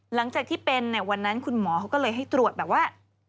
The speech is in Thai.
หลังจากที่เป็นวันนั้นคุณหมอเขาก็เลยให้ตรวจแบบว่า